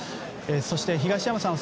そして、東山さん